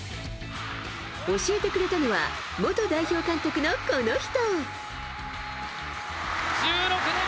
教えてくれたのは元代表監督の、この人。